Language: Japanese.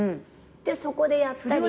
でそこでやったり。